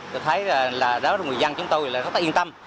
tôi thấy là người dân chúng tôi rất yên tâm